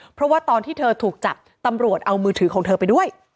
เพราะว่าตอนที่เธอถูกจับตำรวจเอามือถือของเธอไปด้วย